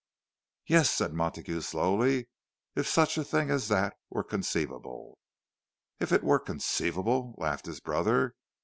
"Yes," said Montague, slowly, "if such a thing as that were conceivable." "If it were conceivable!" laughed his brother.